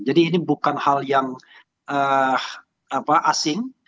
jadi ini bukan hal yang asing